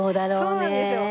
そうなんですよ。